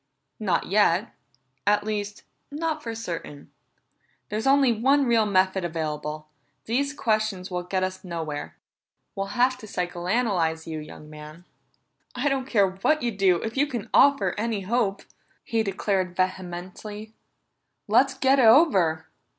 "Not yet at least, not for certain. There's only one real method available; these questions will get us nowhere. We'll have to psychoanalyze you, young man." "I don't care what you do, if you can offer any hope!" he declared vehemently. "Let's get it over!"